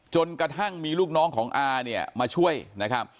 จนกระทั่งมีลูกน้องของอาเนี่ยมาช่วยนะครับ